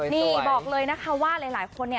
นี่บอกเลยนะคะว่าหลายคน